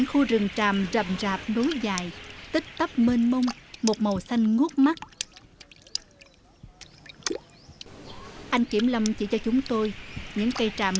anh năm đến với công việc kiểm lâm đã hơn hai mươi năm